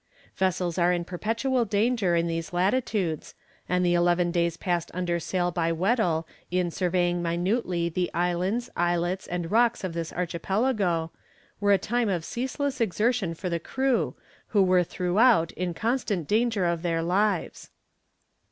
Vessels are in perpetual danger in these latitudes, and the eleven days passed under sail by Weddell in surveying minutely the islands, islets, and rocks of this archipelago, were a time of ceaseless exertion for the crew, who were throughout in constant danger of their lives.